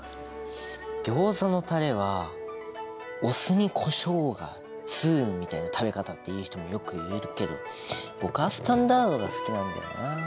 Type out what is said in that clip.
ギョーザのタレは「お酢にコショウが通」みたいな食べ方っていう人もよくいるけど僕はスタンダードが好きなんだよなあ。